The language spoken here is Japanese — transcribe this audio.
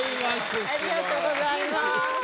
ありがとうございます。